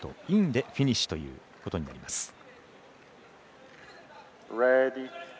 インでフィニッシュということになります。